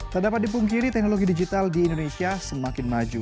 tak dapat dipungkiri teknologi digital di indonesia semakin maju